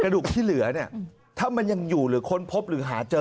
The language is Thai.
ดุกที่เหลือเนี่ยถ้ามันยังอยู่หรือค้นพบหรือหาเจอ